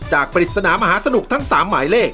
ปริศนามหาสนุกทั้ง๓หมายเลข